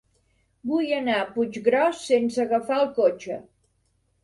Vull anar a Puiggròs sense agafar el cotxe.